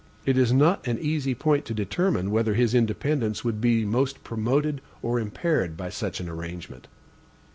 It is not an easy point to determine whether his independence would be most promoted or impaired by such an arrangement.